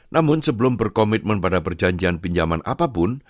namun sebelum berkomitmen pada perjanjian pinjaman apapun